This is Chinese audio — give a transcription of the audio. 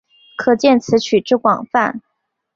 可见此曲之广泛。